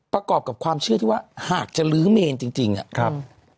ประกอบกับความเชื่อที่ว่าหากจะลื้อเมนจริงเนี่ยครับ